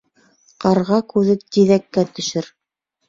Ҡарға күҙе тиҙәккә төшөр.